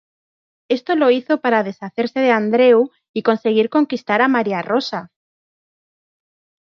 Esto lo hizo para deshacerse de Andreu y conseguir conquistar a Maria Rosa.